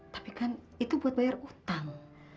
tapi kan itu buat bayar utang